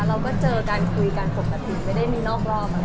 เราก็เจอกันคุยกันควบความผิดไม่ได้มีนอกรอบอะไรค่ะ